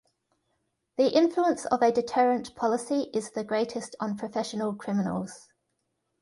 The influence of a deterrent policy is the greatest on professional criminals.